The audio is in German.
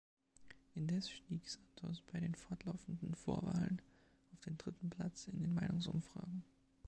Indes stieg Santos bei den fortlaufenden Vorwahlen auf den dritten Platz in den Meinungsumfragen.